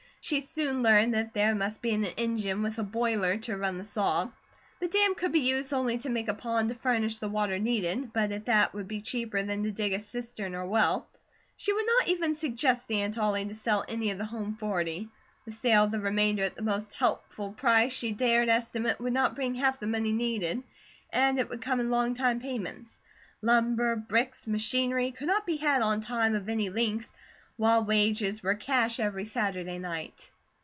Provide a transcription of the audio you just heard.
She soon learned that there must be an engine with a boiler to run the saw. The dam could be used only to make a pond to furnish the water needed; but at that it would be cheaper than to dig a cistern or well. She would not even suggest to Aunt Ollie to sell any of the home forty. The sale of the remainder at the most hopeful price she dared estimate would not bring half the money needed, and it would come in long time payments. Lumber, bricks, machinery, could not be had on time of any length, while wages were cash every Saturday night.